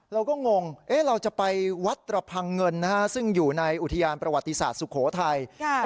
งงเราจะไปวัดระพังเงินซึ่งอยู่ในอุทยานประวัติศาสตร์สุโขทัย